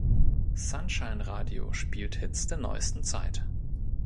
Sunshine Radio spielt Hits der neusten Zeit.